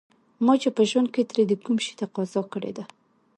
ما چې په ژوند کې ترې د کوم شي تقاضا کړې ده.